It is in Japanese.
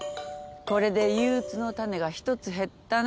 これで憂鬱の種が一つ減ったな。